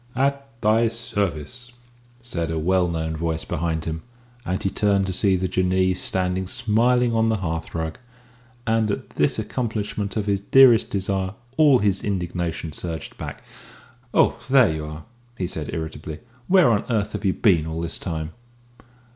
"At thy service!" said a well known voice behind him, and he turned to see the Jinnee standing smiling on the hearthrug and at this accomplishment of his dearest desire all his indignation surged back. "Oh, there you are!" he said irritably. "Where on earth have you been all this time?"